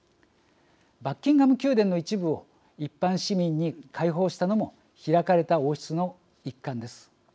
バッキンガム宮殿の一部を一般市民に開放したのも「開かれた王室」の一環です。